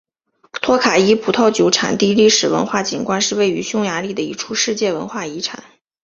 托卡伊葡萄酒产地历史文化景观是位于匈牙利的一处世界文化遗产。